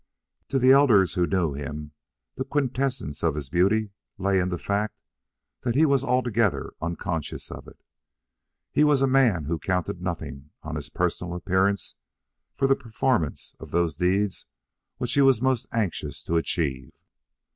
To the elders who knew him the quintessence of his beauty lay in the fact that he was altogether unconscious of it. He was a man who counted nothing on his personal appearance for the performance of those deeds which he was most anxious to achieve.